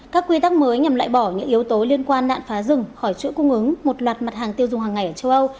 các quy tắc mới nhằm loại bỏ những yếu tố liên quan nạn phá rừng khỏi chuỗi cung ứng một loạt mặt hàng tiêu dùng hàng ngày ở châu âu